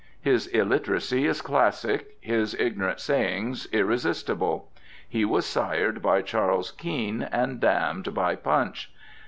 His illiteracy is classic; his ignorant sayings irresistable. He was sired by Charles Keene and damned by Punch.